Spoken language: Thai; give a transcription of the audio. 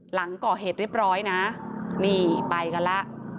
หลังก่อเหตุเรียบร้อยนะนี่ไปกันแล้ว